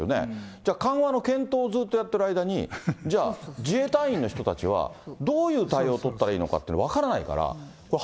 じゃあ緩和の検討をずっとやってる間に、じゃあ、自衛隊員の人たちはどういう対応を取ったらいいのかっていうの分からないから。